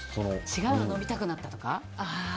違うの飲みたくなったとか。